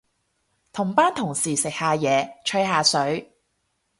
同班同事食下嘢，吹下水